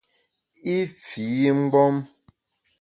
I fii mgbom.